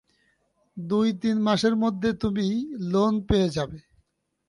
দুই-তিন মাসের মধ্যে তুমি লোন পেয়ে যাবে।